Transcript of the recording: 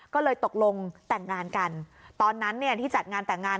ก็เลยตกลงแต่งงานกันตอนนั้นเนี่ยที่จัดงานแต่งงาน